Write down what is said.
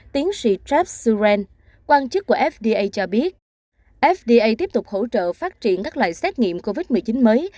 tiến sĩ chapren quan chức của fda cho biết fda tiếp tục hỗ trợ phát triển các loại xét nghiệm covid một mươi chín mới